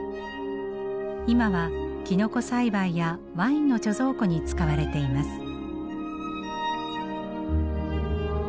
今はキノコ栽培やワインの貯蔵庫に使われています。